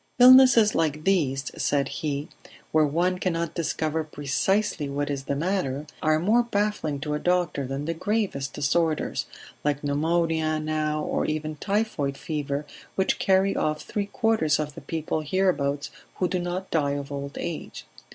"Illnesses like these," said he, "where one cannot discover precisely what is the matter, are more baffling to a doctor than the gravest disorders like pneumonia now, or even typhoid fever which carry off three quarters of the people hereabouts who do not die of old age.